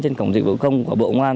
trên cổng dịch vụ công của bộ công an